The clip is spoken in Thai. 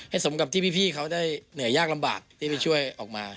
สมกับที่พี่เขาได้เหนื่อยยากลำบากที่ไปช่วยออกมา